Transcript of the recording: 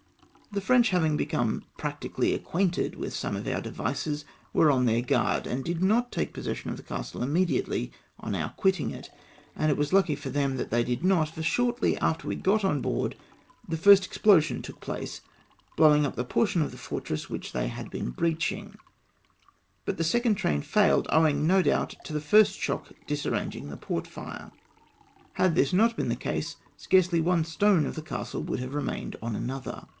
The French having become practically acquainted wdth some of our devices were on their guard, and did not take possession of the castle immediately on our quitting it, and it was lucky for them that they did not, for shortly after we got on board the first explosion took place, blowing up the portion of the fortress which they had been breaching ; but the second train failed, owing, no doubt, to the first shock disarranging the portfire. Had not this been the case, scarcely one stone of the castle would have remained on another.